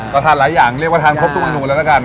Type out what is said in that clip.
ก็ทานหลายอย่างเรียกว่าทานครบทุกเมนูแล้วละกัน